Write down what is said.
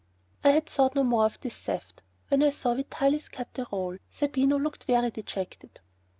I had thought no more of this theft, when I saw Vitalis cut the roll; Zerbino looked very dejected.